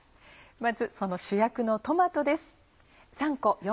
まずその主役のトマトです。